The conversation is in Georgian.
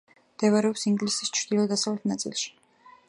მდებარეობს ინგლისის ჩრდილო–დასავლეთ ნაწილში.